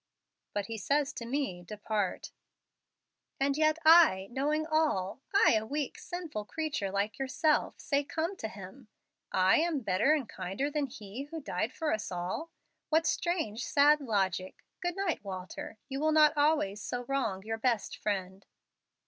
'" "But He says to me, 'Depart.'" "And yet I, knowing all I, a weak, sinful creature like yourself say, Come to Him. I am better and kinder than He who died for us all! What strange, sad logic! Good night, Walter. You will not always so wrong your best Friend."